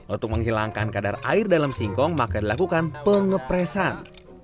untuk menghilangkan kadar air dalam singkong maka dilakukan pengepresan